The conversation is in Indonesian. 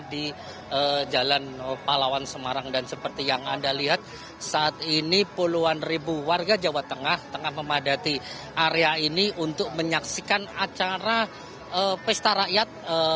di jalan palawan semarang dan seperti yang anda lihat saat ini puluhan ribu warga jawa tengah tengah memadati area ini untuk menyaksikan acara pesta rakyat